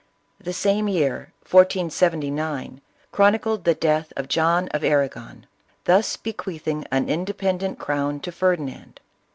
The same year, 1479, chronicled the death of John of Arrngon, thus bequeathing an independent crown to Ferdinand.